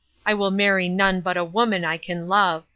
I will marry none but a woman I can love.